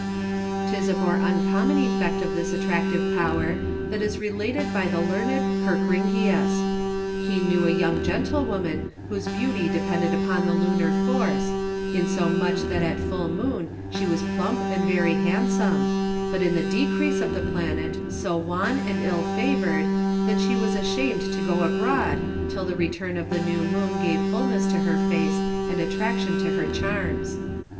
'Tis a more uncommon Effect of this Attractive Power that is related by the Learned Kerckringius. He knew a Young Gentlewoman, whose Beauty depended upon the Lunar Force, insomuch that at Full Moon she was Plump and very Handsome, but in the decrease of the Planet so Wan and ill Favoured, that she was asham'd to go abroad till the return of the New Moon gave Fullness to her Face, and Attraction to her Charms.